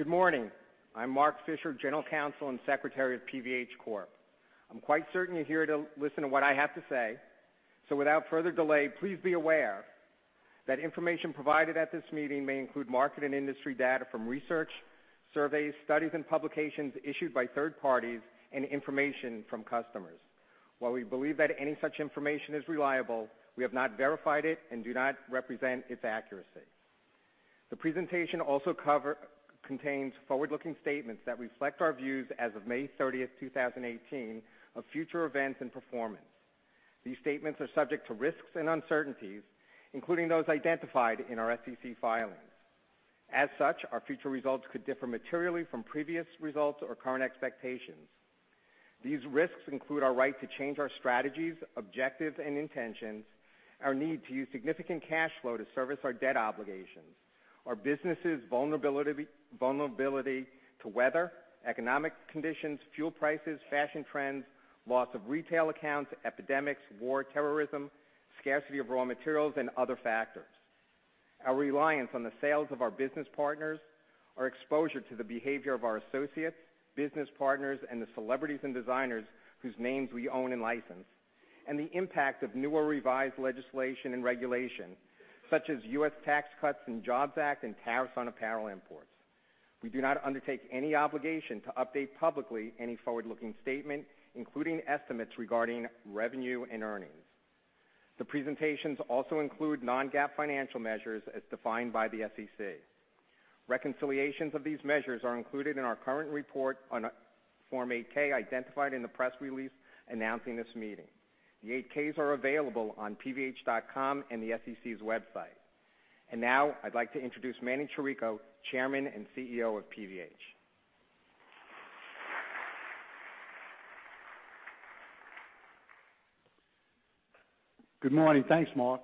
Good morning. I'm Mark Fischer, general counsel and secretary of PVH Corp. I'm quite certain you're here to listen to what I have to say. Without further delay, please be aware that information provided at this meeting may include market and industry data from research, surveys, studies, and publications issued by third parties and information from customers. While we believe that any such information is reliable, we have not verified it and do not represent its accuracy. The presentation also contains forward-looking statements that reflect our views as of May 30th, 2018, of future events and performance. These statements are subject to risks and uncertainties, including those identified in our SEC filings. As such, our future results could differ materially from previous results or current expectations. These risks include our right to change our strategies, objectives, and intentions, our need to use significant cash flow to service our debt obligations, our business' vulnerability to weather, economic conditions, fuel prices, fashion trends, loss of retail accounts, epidemics, war, terrorism, scarcity of raw materials, and other factors, our reliance on the sales of our business partners, our exposure to the behavior of our associates, business partners, and the celebrities and designers whose names we own and license, and the impact of new or revised legislation and regulation, such as U.S. Tax Cuts and Jobs Act and tariffs on apparel imports. We do not undertake any obligation to update publicly any forward-looking statement, including estimates regarding revenue and earnings. The presentations also include non-GAAP financial measures as defined by the SEC. Reconciliations of these measures are included in our current report on Form 8-K identified in the press release announcing this meeting. The 8-Ks are available on pvh.com and the SEC's website. Now I'd like to introduce Manny Chirico, Chairman and Chief Executive Officer of PVH. Good morning. Thanks, Mark.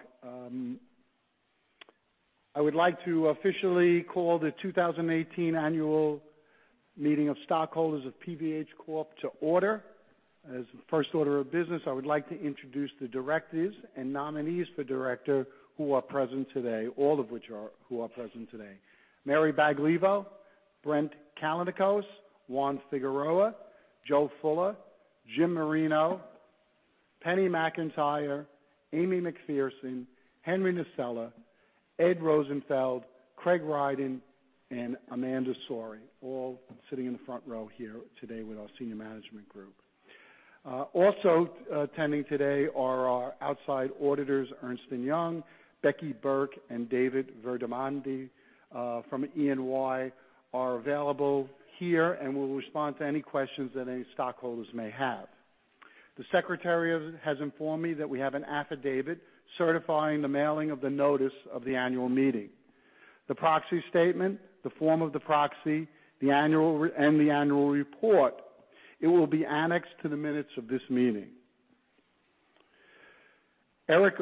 I would like to officially call the 2018 annual meeting of stockholders of PVH Corp. to order. As the first order of business, I would like to introduce the directors and nominees for director who are present today, all of which are present today. Mary Baglivo, Brent Callinicos, Juan Figueroa, Joe Fuller, Jim Marino, Penny McIntyre, Amy McPherson, Henry Nasella, Ed Rosenfeld, Craig Ryden, and Amanda Sourry, all sitting in the front row here today with our senior management group. Also attending today are our outside auditors, Ernst & Young. Becky Burke and David Verdemandi from E&Y are available here and will respond to any questions that any stockholders may have. The secretary has informed me that we have an affidavit certifying the mailing of the notice of the annual meeting, the proxy statement, the form of the proxy, and the annual report. It will be annexed to the minutes of this meeting. Erik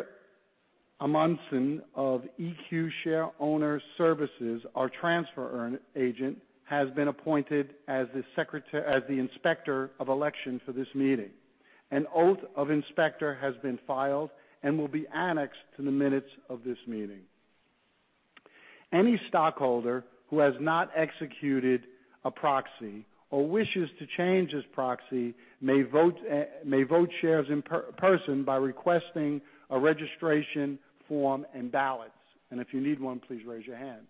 Amundsen of EQ Shareowner Services, our transfer agent, has been appointed as the inspector of election for this meeting. An oath of inspector has been filed and will be annexed to the minutes of this meeting. Any stockholder who has not executed a proxy or wishes to change his proxy may vote shares in person by requesting a registration form and ballots. If you need one, please raise your hand.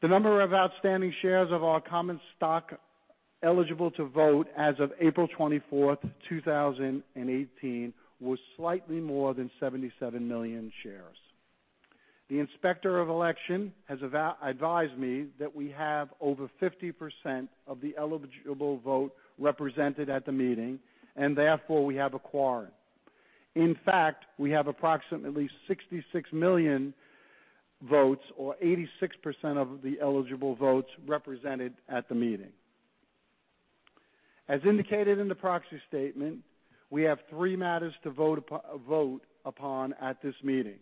The number of outstanding shares of our common stock eligible to vote as of April 24th, 2018, was slightly more than 77 million shares. The inspector of election has advised me that we have over 50% of the eligible vote represented at the meeting, therefore, we have a quorum. In fact, we have approximately 66 million votes or 86% of the eligible votes represented at the meeting. As indicated in the proxy statement, we have three matters to vote upon at this meeting.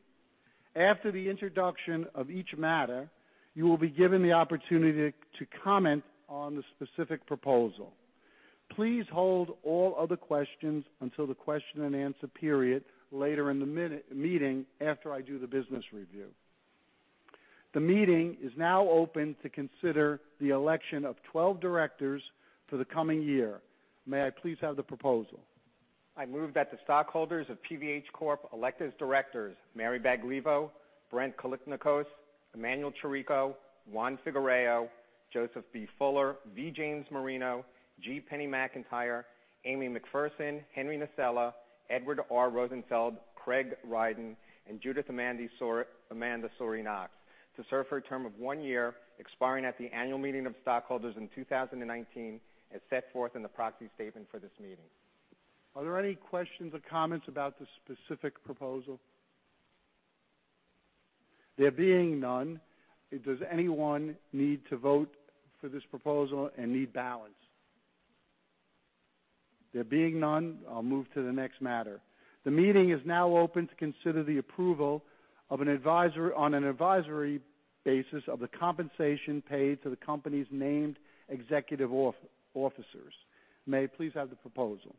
After the introduction of each matter, you will be given the opportunity to comment on the specific proposal. Please hold all other questions until the question and answer period later in the meeting after I do the business review. The meeting is now open to consider the election of 12 directors for the coming year. May I please have the proposal? I move that the stockholders of PVH Corp. elect as directors Mary Baglivo, Brent Callinicos, Emanuel Chirico, Juan Figueroa, Joseph B. Fuller, V. James Marino, G. Penny McIntyre, Amy McPherson, Henry Nasella, Edward R. Rosenfeld, Craig Ryden, and Judith Amanda Sourry Knox to serve for a term of one year, expiring at the annual meeting of stockholders in 2019 as set forth in the proxy statement for this meeting. Are there any questions or comments about this specific proposal? There being none, does anyone need to vote for this proposal and need ballots? There being none, I'll move to the next matter. The meeting is now open to consider the approval on an advisory basis of the compensation paid to the company's named executive officers. May I please have the proposal?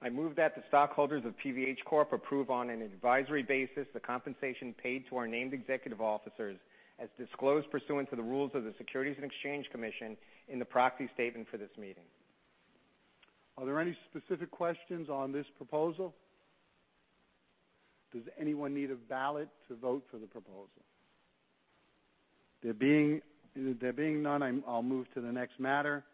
I move that the stockholders of PVH Corp approve on an advisory basis the compensation paid to our named executive officers, as disclosed pursuant to the rules of the Securities and Exchange Commission in the proxy statement for this meeting. Are there any specific questions on this proposal? Does anyone need a ballot to vote for the proposal? There being none, I'll move to the next matter.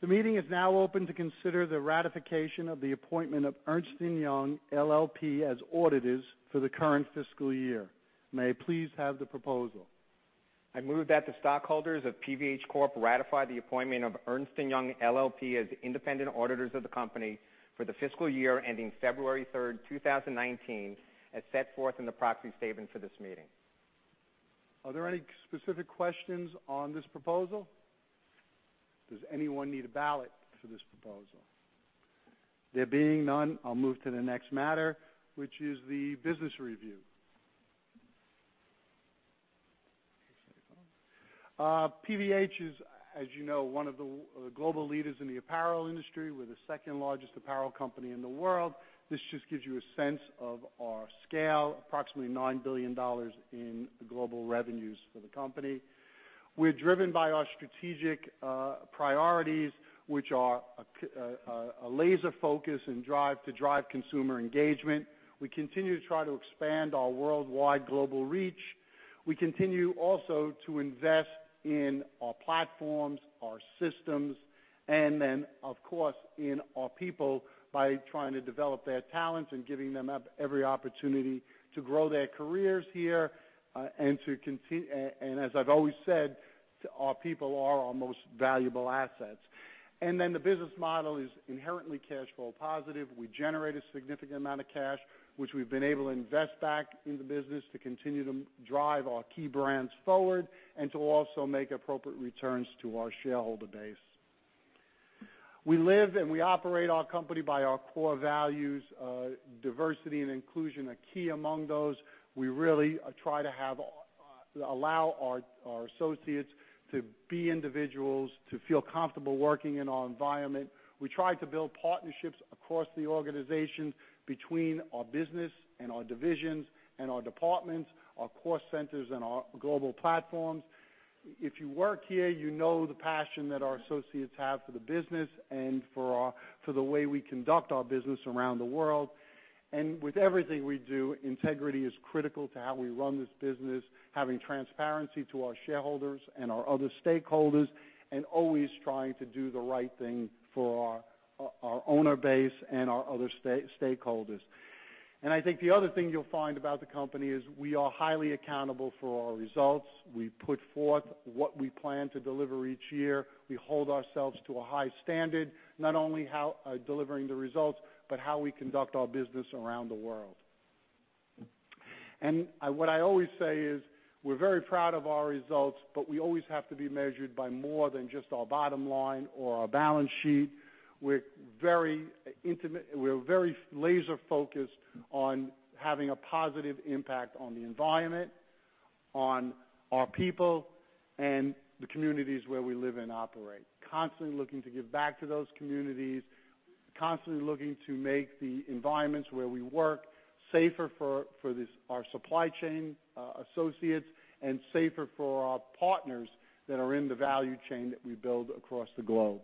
The meeting is now open to consider the ratification of the appointment of Ernst & Young LLP as auditors for the current fiscal year. May I please have the proposal? I move that the stockholders of PVH Corp ratify the appointment of Ernst & Young LLP as independent auditors of the company for the fiscal year ending February 3rd, 2019, as set forth in the proxy statement for this meeting. Are there any specific questions on this proposal? Does anyone need a ballot for this proposal? There being none, I'll move to the next matter, which is the business review. PVH is, as you know, one of the global leaders in the apparel industry. We're the second largest apparel company in the world. This just gives you a sense of our scale, approximately $9 billion in global revenues for the company. We're driven by our strategic priorities, which are a laser focus and drive to drive consumer engagement. We continue to try to expand our worldwide global reach. We continue also to invest in our platforms, our systems, and then, of course, in our people by trying to develop their talents and giving them every opportunity to grow their careers here. As I've always said, our people are our most valuable assets. The business model is inherently cash flow positive. We generate a significant amount of cash, which we've been able to invest back in the business to continue to drive our key brands forward, and to also make appropriate returns to our shareholder base. We live and we operate our company by our core values, diversity and inclusion are key among those. We really try to allow our associates to be individuals, to feel comfortable working in our environment. We try to build partnerships across the organization between our business and our divisions and our departments, our core centers, and our global platforms. If you know, you know the passion that our associates have for the business and for the way we conduct our business around the world. With everything we do, integrity is critical to how we run this business, having transparency to our shareholders and our other stakeholders, always trying to do the right thing for our owner base and our other stakeholders. I think the other thing you'll find about the company is we are highly accountable for our results. We put forth what we plan to deliver each year. We hold ourselves to a high standard, not only how delivering the results, but how we conduct our business around the world. What I always say is, we're very proud of our results, but we always have to be measured by more than just our bottom line or our balance sheet. We're very laser focused on having a positive impact on the environment, on our people, and the communities where we live and operate. Constantly looking to give back to those communities, constantly looking to make the environments where we work safer for our supply chain associates, safer for our partners that are in the value chain that we build across the globe.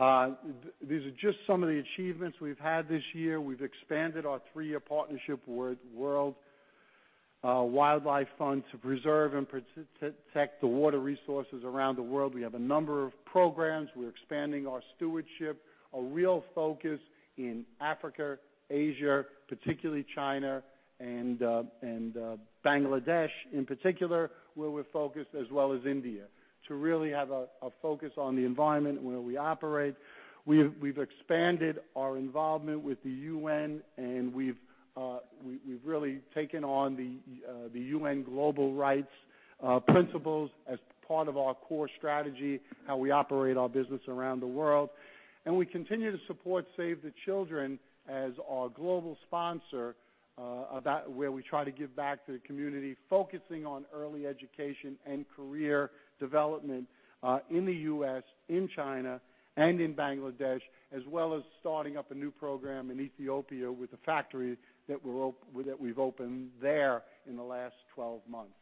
These are just some of the achievements we've had this year. We've expanded our three-year partnership with World Wildlife Fund to preserve and protect the water resources around the world. We have a number of programs. We're expanding our stewardship. A real focus in Africa, Asia, particularly China and Bangladesh in particular, where we're focused as well as India, to really have a focus on the environment where we operate. We've expanded our involvement with the UN, we've really taken on the UN global rights principles as part of our core strategy, how we operate our business around the world. We continue to support Save the Children as our global sponsor, where we try to give back to the community, focusing on early education and career development, in the U.S., in China, and in Bangladesh, as well as starting up a new program in Ethiopia with a factory that we've opened there in the last 12 months.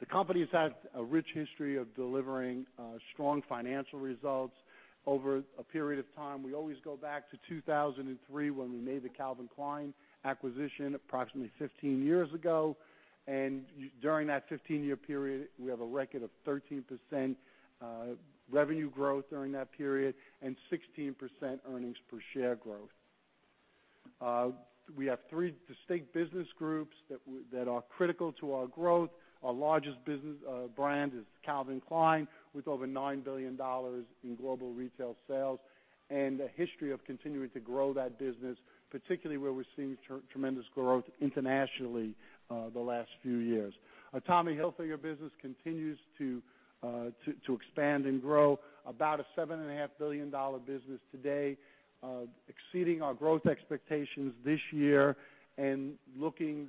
The company has had a rich history of delivering strong financial results over a period of time. We always go back to 2003, when we made the Calvin Klein acquisition approximately 15 years ago. During that 15-year period, we have a record of 13% revenue growth during that period and 16% earnings per share growth. We have three distinct business groups that are critical to our growth. Our largest brand is Calvin Klein, with over $9 billion in global retail sales and a history of continuing to grow that business, particularly where we're seeing tremendous growth internationally the last few years. Our Tommy Hilfiger business continues to expand and grow. About a $7.5 billion business today, exceeding our growth expectations this year and looking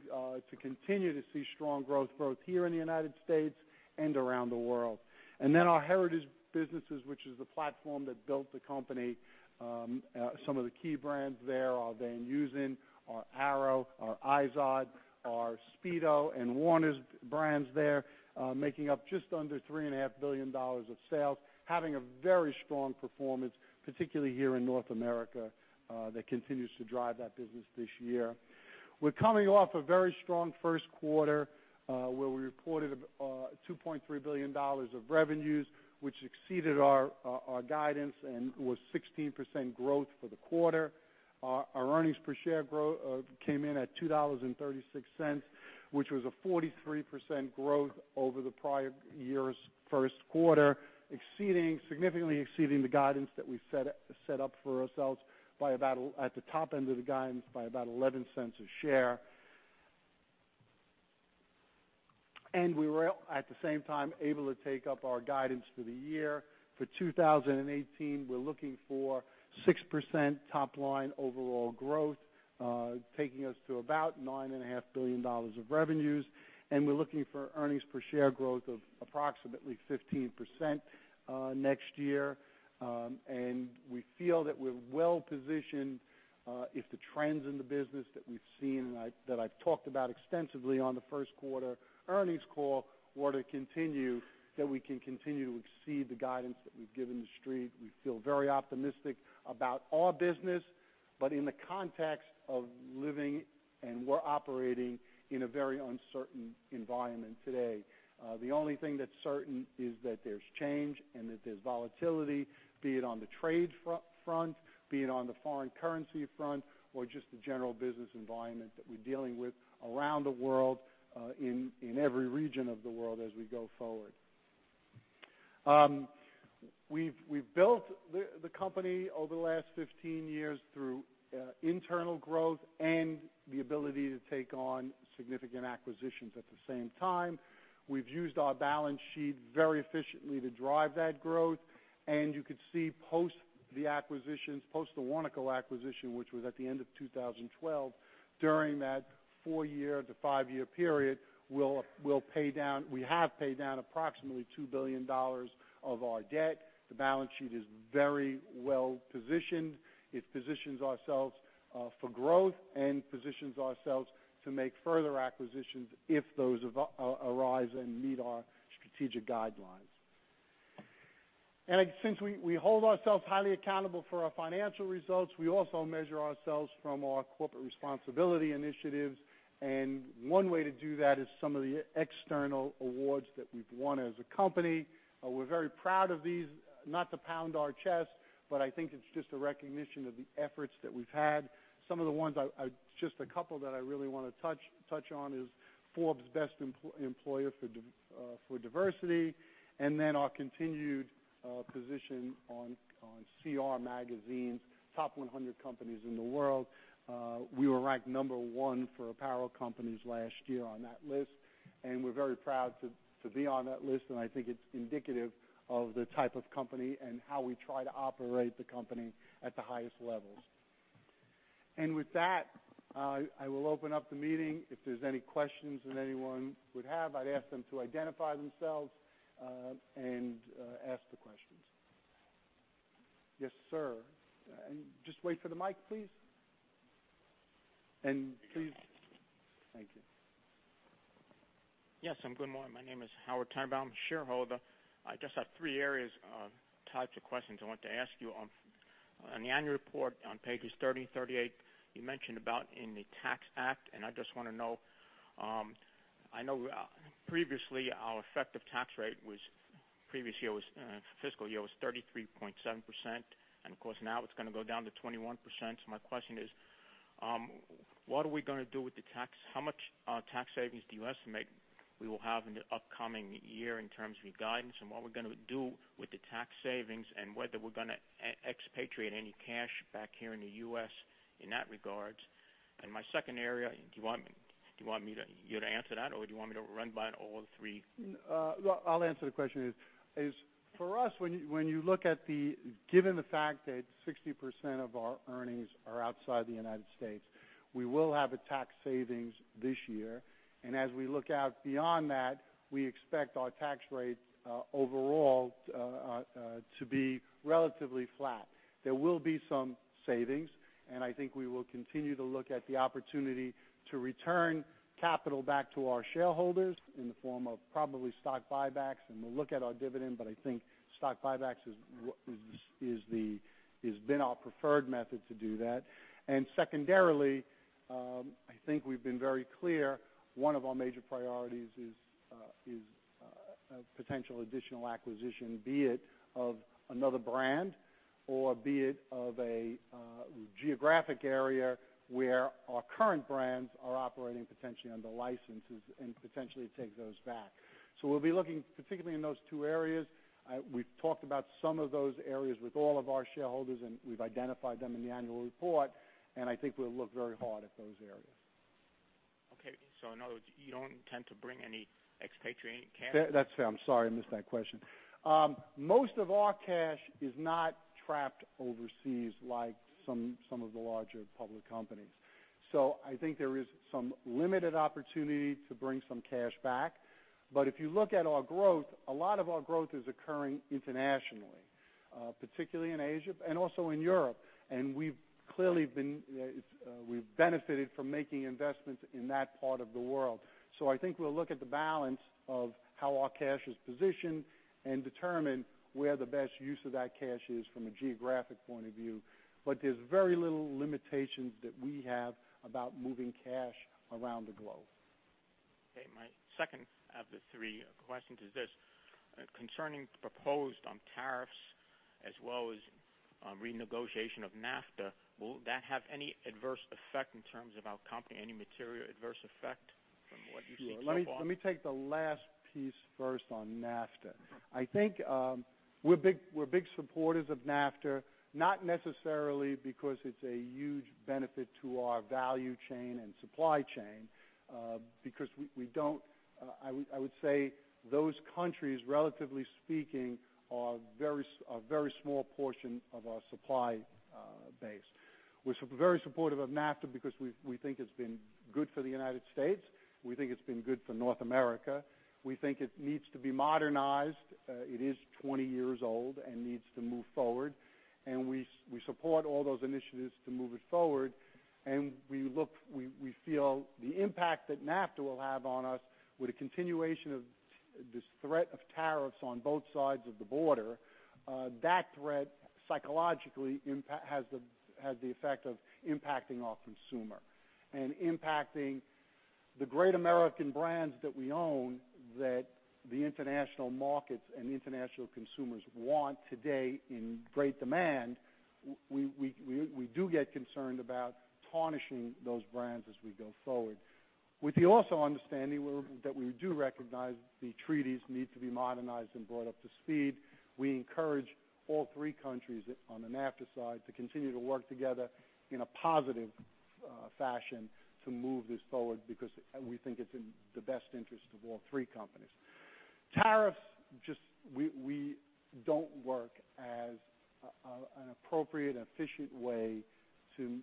to continue to see strong growth both here in the United States and around the world. Our heritage businesses, which is the platform that built the company. Some of the key brands there are Van Heusen, our Arrow, our IZOD, our Speedo, and Warner's brands there, making up just under $3.5 billion of sales, having a very strong performance, particularly here in North America, that continues to drive that business this year. We're coming off a very strong first quarter, where we reported $2.3 billion of revenues, which exceeded our guidance and was 16% growth for the quarter. Our earnings per share came in at $2.36, which was a 43% growth over the prior year's first quarter, significantly exceeding the guidance that we set up for ourselves at the top end of the guidance by about $0.11 a share. We were, at the same time, able to take up our guidance for the year. For 2018, we're looking for 6% top-line overall growth, taking us to about $9.5 billion of revenues. We're looking for earnings per share growth of approximately 15% next year. We feel that we're well-positioned. If the trends in the business that we've seen and that I've talked about extensively on the first quarter earnings call were to continue, that we can continue to exceed the guidance that we've given the Street. We feel very optimistic about our business. In the context of living, we're operating in a very uncertain environment today. The only thing that's certain is that there's change and that there's volatility, be it on the trade front, be it on the foreign currency front, or just the general business environment that we're dealing with around the world, in every region of the world as we go forward. We've built the company over the last 15 years through internal growth and the ability to take on significant acquisitions at the same time. We've used our balance sheet very efficiently to drive that growth. You could see post the Warnaco acquisition, which was at the end of 2012, during that four-year to five-year period, we have paid down approximately $2 billion of our debt. The balance sheet is very well positioned. It positions ourselves for growth and positions ourselves to make further acquisitions if those arise and meet our strategic guidelines. Since we hold ourselves highly accountable for our financial results, we also measure ourselves from our corporate responsibility initiatives. One way to do that is some of the external awards that we've won as a company. We're very proud of these. Not to pound our chest, but I think it's just a recognition of the efforts that we've had. Just a couple that I really want to touch on is Forbes Best Employer for Diversity, and then our continued position on CR Magazine's Top 100 Companies in the World. We were ranked number one for apparel companies last year on that list. We're very proud to be on that list, and I think it's indicative of the type of company and how we try to operate the company at the highest levels. With that, I will open up the meeting. If there's any questions that anyone would have, I'd ask them to identify themselves, and ask the questions. Yes, sir. Just wait for the mic, please. Please. Thank you. Yes. Good morning. My name is Howard Timebaum, shareholder. I just have three areas of types of questions I want to ask you. On the annual report on pages 30, 38, you mentioned about in the tax act, and I just want to know. I know previously our effective tax rate for fiscal year was 33.7%, and of course now it's going to go down to 21%. My question is, what are we going to do with the tax? How much tax savings do you estimate we will have in the upcoming year in terms of your guidance, and what we're going to do with the tax savings, and whether we're going to expatriate any cash back here in the U.S. in that regard? My second area— do you want me to answer that, or do you want me to run by all three? I'll answer the question. For us, when you look at given the fact that 60% of our earnings are outside the United States, we will have a tax savings this year. As we look out beyond that, we expect our tax rates overall to be relatively flat. There will be some savings, and I think we will continue to look at the opportunity to return capital back to our shareholders in the form of probably stock buybacks. We'll look at our dividend, but I think stock buybacks has been our preferred method to do that. Secondarily, I think we've been very clear, one of our major priorities is a potential additional acquisition, be it of another brand or be it of a geographic area where our current brands are operating potentially under licenses and potentially take those back. We'll be looking particularly in those two areas. We've talked about some of those areas with all of our shareholders. We've identified them in the annual report, and I think we'll look very hard at those areas. Okay. In other words, you don't intend to bring any expatriated cash? I'm sorry, I missed that question. Most of our cash is not trapped overseas like some of the larger public companies. I think there is some limited opportunity to bring some cash back. If you look at our growth, a lot of our growth is occurring internationally, particularly in Asia and also in Europe, and we've clearly benefited from making investments in that part of the world. I think we'll look at the balance of how our cash is positioned and determine where the best use of that cash is from a geographic point of view. There's very little limitations that we have about moving cash around the globe. Okay. My second of the three questions is this, concerning proposed on tariffs as well as renegotiation of NAFTA, will that have any adverse effect in terms of our company, any material adverse effect from what you see so far? Sure. Let me take the last piece first on NAFTA. I think we're big supporters of NAFTA, not necessarily because it's a huge benefit to our value chain and supply chain, because I would say those countries, relatively speaking, are a very small portion of our supply base. We're very supportive of NAFTA because we think it's been good for the United States, we think it's been good for North America. We think it needs to be modernized. It is 20 years old and needs to move forward, we support all those initiatives to move it forward. We feel the impact that NAFTA will have on us with the continuation of this threat of tariffs on both sides of the border, that threat psychologically has the effect of impacting our consumer and impacting the great American brands that we own, that the international markets and international consumers want today in great demand. We do get concerned about tarnishing those brands as we go forward. With the also understanding that we do recognize the treaties need to be modernized and brought up to speed. We encourage all three countries on the NAFTA side to continue to work together in a positive fashion to move this forward, because we think it's in the best interest of all three companies. Tariffs just don't work as an appropriate and efficient way to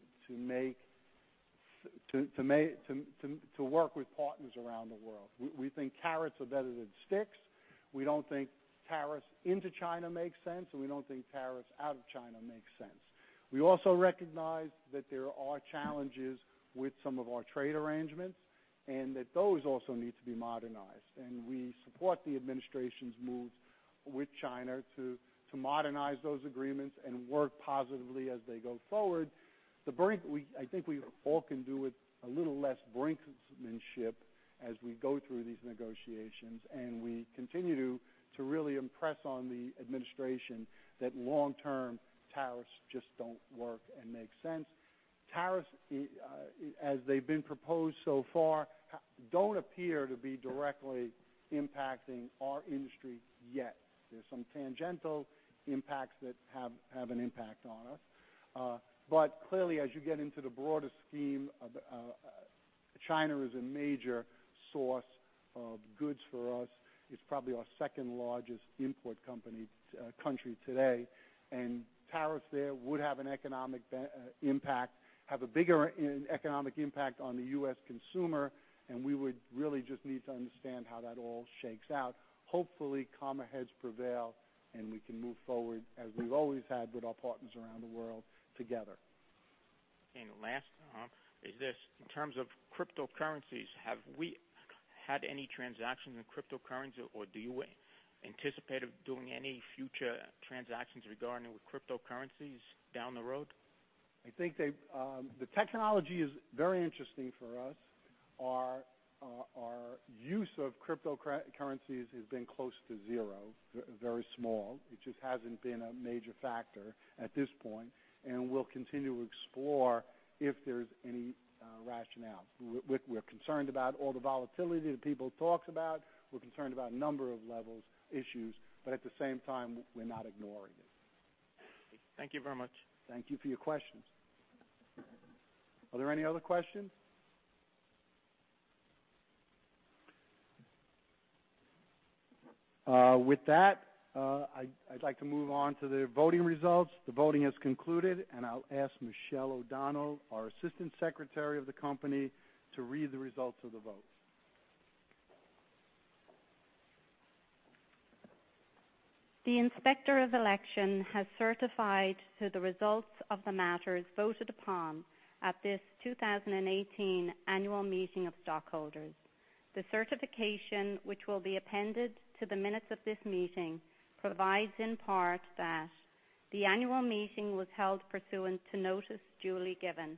work with partners around the world. We think carrots are better than sticks. We don't think tariffs into China makes sense, and we don't think tariffs out of China make sense. We also recognize that there are challenges with some of our trade arrangements, and that those also need to be modernized. We support the administration's moves with China to modernize those agreements and work positively as they go forward. I think we all can do with a little less brinksmanship as we go through these negotiations, and we continue to really impress on the administration that long term, tariffs just don't work and make sense. Tariffs as they've been proposed so far, don't appear to be directly impacting our industry yet. There's some tangential impacts that have an impact on us. But clearly, as you get into the broader scheme, China is a major source of goods for us. It's probably our second-largest import country today, and tariffs there would have a bigger economic impact on the U.S. consumer, and we would really just need to understand how that all shakes out. Hopefully, calmer heads prevail, and we can move forward as we've always had with our partners around the world together. Last is this. In terms of cryptocurrencies, have we had any transactions in cryptocurrency, or do you anticipate doing any future transactions regarding with cryptocurrencies down the road? I think the technology is very interesting for us. Our use of cryptocurrencies has been close to zero, very small. It just hasn't been a major factor at this point. We'll continue to explore if there's any rationale. We're concerned about all the volatility that people talked about. We're concerned about a number of levels, issues. At the same time, we're not ignoring it. Thank you very much. Thank you for your questions. Are there any other questions? With that, I'd like to move on to the voting results. The voting has concluded. I'll ask Michelle O'Donnell, our Assistant Secretary of the company, to read the results of the vote. The Inspector of Election has certified to the results of the matters voted upon at this 2018 annual meeting of stockholders. The certification, which will be appended to the minutes of this meeting, provides in part that the annual meeting was held pursuant to notice duly given.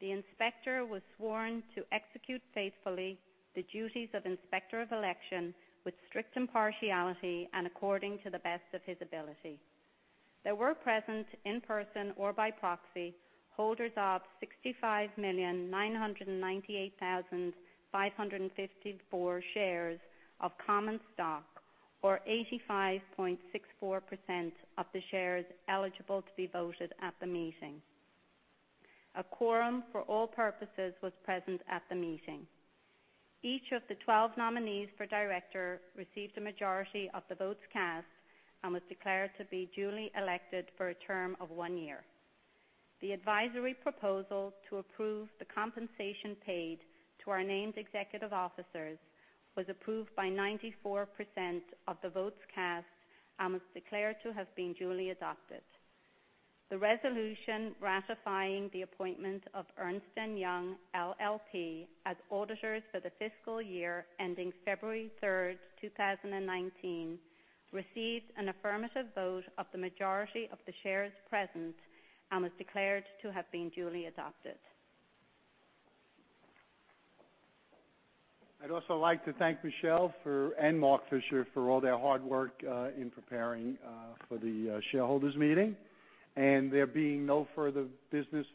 The inspector was sworn to execute faithfully the duties of Inspector of Election with strict impartiality and according to the best of his ability. There were present in person or by proxy, holders of 65,998,554 shares of common stock, or 85.64% of the shares eligible to be voted at the meeting. A quorum for all purposes was present at the meeting. Each of the 12 nominees for director received a majority of the votes cast and was declared to be duly elected for a term of one year. The advisory proposal to approve the compensation paid to our named executive officers was approved by 94% of the votes cast and was declared to have been duly adopted. The resolution ratifying the appointment of Ernst & Young LLP as auditors for the fiscal year ending February 3rd, 2019, received an affirmative vote of the majority of the shares present and was declared to have been duly adopted. I'd also like to thank Michelle and Mark Fischer for all their hard work in preparing for the shareholders' meeting. There being no further business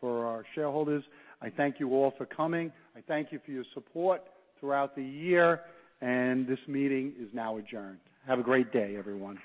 for our shareholders, I thank you all for coming, I thank you for your support throughout the year, and this meeting is now adjourned. Have a great day, everyone.